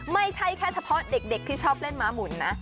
ไม่ใช่แค่เฉพาะเด็กที่ชอบเล่นม้าหมุนนะ